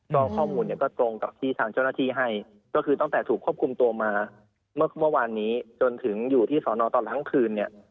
ก็ข้อมูลเนี่ยก็ตรงกับที่ทางเจ้าหน้าที่ให้ก็คือตั้งแต่ถูกควบคุมตัวมาเมื่อวานนี้จนถึงอยู่ที่สอนอตอนทั้งคืนเนี่ย